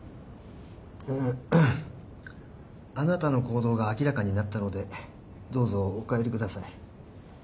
あなたの行動が明らかになったのでどうぞお帰りください。